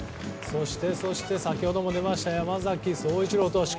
そして、先ほども出ました山崎颯一郎投手。